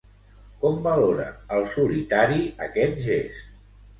Com valora el solitari aquest gest?